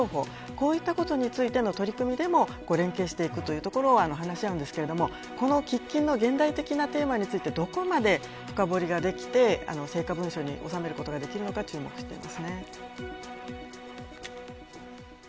こういったことの取り組みでも連携していくことを話したんですけど喫緊の現代的テーマに関してどこまで深堀りができて成果文書に収めることができるのか注目しています。